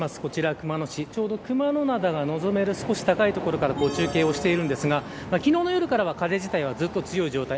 熊野市ちょうど熊野灘が望める少し高い所から中継しているんですが昨日の夜から風自体はずっと強い状態。